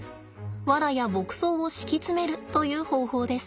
ワラや牧草を敷き詰めるという方法です。